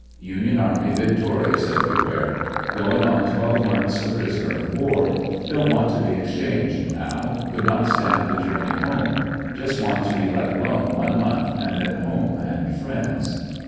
Union army victorious everywhere. Going on twelve months a prisoner of war. Don't want to be exchanged now; could not stand the journey home; just want to be let alone one month and then home and friends.